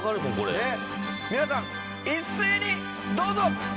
皆さん一斉にどうぞ！